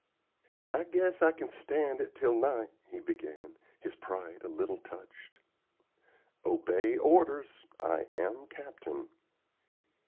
"I guess I can stand it till night," he began, his pride a little touched. "Obey orders! I am captain."